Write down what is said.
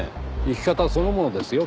生き方そのものですよ